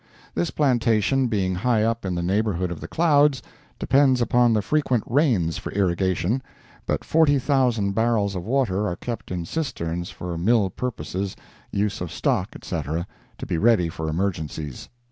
This plantation being high up in the neighborhood of the clouds, depends upon the frequent rains for irrigation, but 40,000 barrels of water are kept in cisterns for mill purposes, use of stock, etc., to be ready for emergencies.